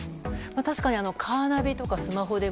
確かにカーナビとかスマホで